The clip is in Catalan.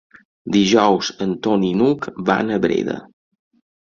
Dijous en Ton i n'Hug van a Breda.